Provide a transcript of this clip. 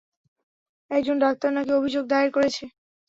একজন ডাক্তার না-কি অভিযোগ দায়ের করেছে।